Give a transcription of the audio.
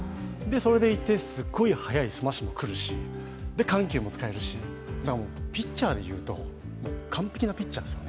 それでいて、すごく速いスマッシュもくるし緩急も使えるし、ピッチャーでいうと、完璧なピッチャーですよ。